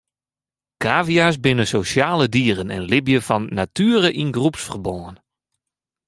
Kavia's binne sosjale dieren en libje fan natuere yn groepsferbân.